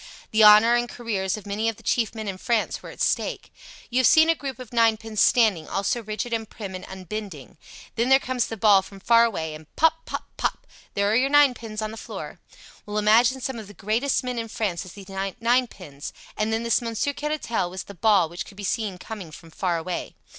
The honour and careers of many of the chief men in France were at stake. You have seen a group of ninepins standing, all so rigid, and prim, and unbending. Then there comes the ball from far away and pop, pop, pop there are your ninepins on the floor. Well, imagine some of the greatest men in France as these ninepins and then this Monsieur Caratal was the ball which could be seen coming from far away.